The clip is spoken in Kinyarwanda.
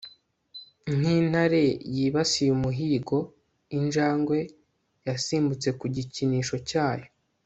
nka intare yibasiye umuhigo, injangwe yasimbutse ku gikinisho cyayo